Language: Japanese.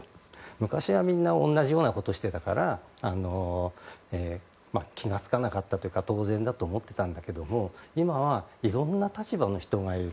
昔は同じようなことをしてたから気が付かなかったとか当然とか思ってたんだけど今はいろんな立場の人がいる。